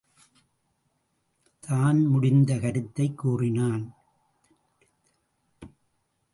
தன் முடிந்த கருத்தைக் கூறினான்.